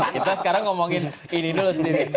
kita sekarang ngomongin ini dulu sendiri